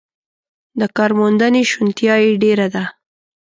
د کارموندنې شونتیا یې ډېره ده.